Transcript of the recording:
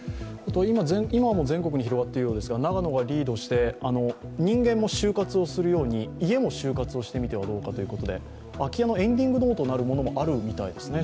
今も全国に広がってるようですが長野がリードして人間も終活をするように家も終活をしてはどうかと空き家のエンディングノートなるものもあるみたいですね。